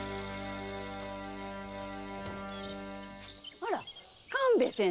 あら勘兵衛先生。